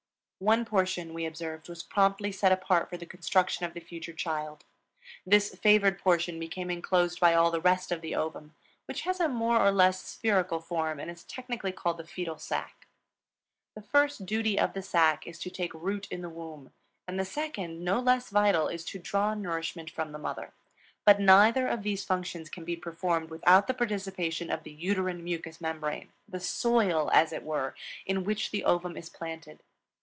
One portion, we observed, was promptly set apart for the construction of the future child; this favored portion became inclosed by all the rest of the ovum, which has a more or less spherical form and is technically called the fetal sac. The first duty of the sac is to take root in the womb, and the second, no less vital, is to draw nourishment from the mother. But neither of these functions can be performed without the participation of the uterine mucous membrane, the soil, as it were, in which the ovum is planted.